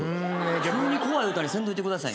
急に怖い歌にせんといてください。